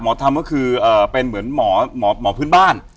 หมอธรรมก็คือเป็นเหมือนหมอพื้นบ้าน